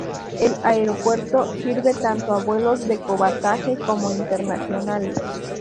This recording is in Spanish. El aeropuerto sirve tanto a vuelos de cabotaje como internacionales.